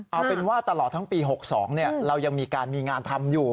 เอาเป็นว่าตลอดทั้งปี๖๒เรายังมีการมีงานทำอยู่